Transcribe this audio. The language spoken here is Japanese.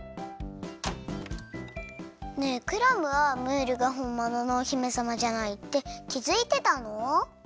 ねえクラムはムールがほんもののお姫さまじゃないってきづいてたの？